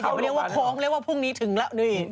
เข้ารอบบ้านกับข้องทรงเรียกว่าพรุ่งนี้ถึงแล้ว